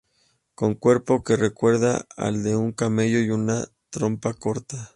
Con cuerpo que recuerda al de un camello y una trompa corta.